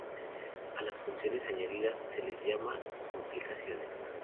A las funciones añadidas se las llama "complicaciones".